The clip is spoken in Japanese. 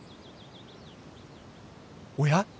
おや！